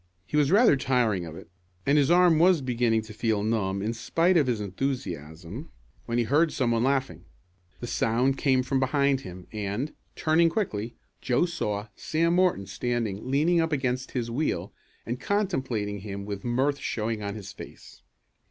He was rather tiring of it, and his arm was beginning to feel numb in spite of his enthusiasm, when he heard some one laughing. The sound came from behind him, and, turning quickly, Joe saw Sam Morton standing leaning up against his wheel, and contemplating him with mirth showing on his face.